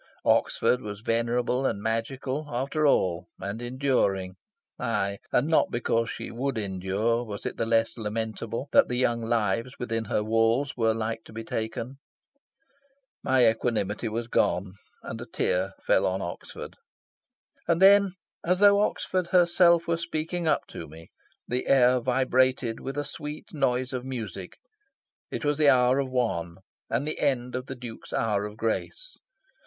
Oxford was venerable and magical, after all, and enduring. Aye, and not because she would endure was it the less lamentable that the young lives within her walls were like to be taken. My equanimity was gone; and a tear fell on Oxford. And then, as though Oxford herself were speaking up to me, the air vibrated with a sweet noise of music. It was the hour of one; the end of the Duke's hour of grace.